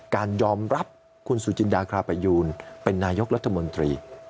การยอมรับคุณสุจินดาคราประยูนเป็นนายกรัฐมนตรี